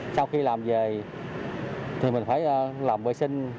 sau khi làm về thì mình phải làm vệ sinh